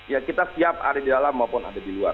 ya kita siap ada di dalam maupun ada di luar